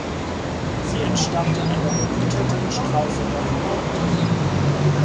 Sie entstammte einer begüterten Stralsunder Familie.